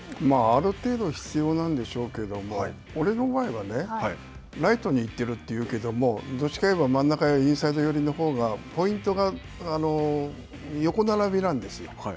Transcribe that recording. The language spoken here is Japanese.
ある程度、必要なんでしょうけども、俺の場合はねライトに行っているというけども、どっちかといえば真ん中インサイド寄りのほうがポイントが横並びなんですよ。